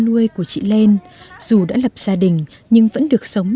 nuôi của chị lên dù đã lập gia đình nhưng vẫn được sống